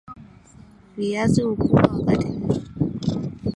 Viazi Ukubwa wa kati nne